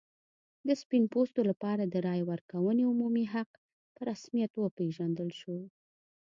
د سپین پوستو لپاره د رایې ورکونې عمومي حق په رسمیت وپېژندل شو.